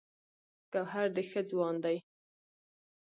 ګوهر ډې ښۀ ځوان دی